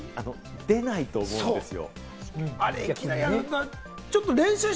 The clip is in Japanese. なかなか出ないと思うんですよ。